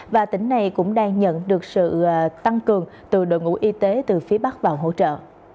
và tỉnh này cũng đang nhận được sự tăng cường từ đội ngũ y tế từ phía bắc vào hỗ trợ